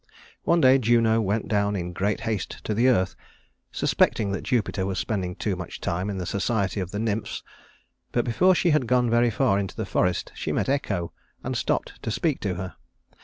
One day Juno went down in great haste to the earth, suspecting that Jupiter was spending too much time in the society of the nymphs; but before she had gone very far into the forest she met Echo and stopped to speak to her.